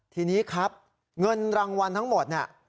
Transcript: ทีนี้ครับเงินรางวัลทั้งหมดเนี่ย